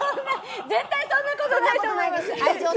絶対そんなことないと思います。